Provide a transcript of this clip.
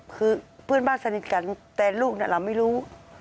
คือเพื่อนบ้านสนิทกันแต่ลูกน่ะเราไม่รู้